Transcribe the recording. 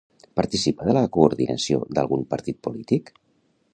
Participa de la coordinació d'algun partit polític?